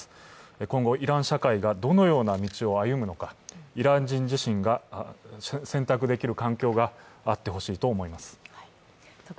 今後イラン社会がどのような道を歩むのか、イラン人自身が選択できる環境があってほしいと思います。